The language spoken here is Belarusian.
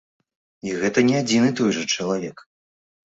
І гэта не адзін і той жа чалавек.